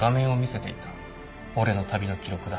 「俺の旅の記録だ」